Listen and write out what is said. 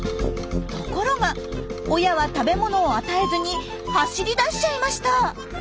ところが親は食べ物を与えずに走り出しちゃいました。